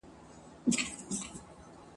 ځکه ژوند هغسي نه دی په ظاهره چي ښکاریږي !.